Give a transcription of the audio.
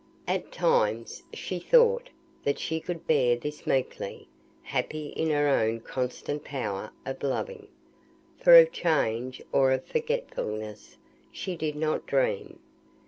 At times she thought that she could bear this meekly, happy in her own constant power of loving. For of change or of forgetfulness she did not dream.